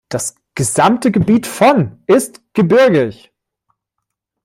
Das gesamte Gebiet von ist gebirgig.